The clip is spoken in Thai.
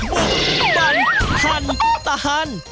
บุกบรรทันตาล